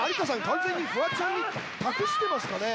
完全にフワちゃんに託してますかね？